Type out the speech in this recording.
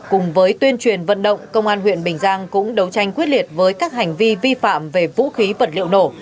cùng với tuyên truyền vận động công an huyện bình giang cũng đấu tranh quyết liệt với các hành vi vi phạm về vũ khí vật liệu nổ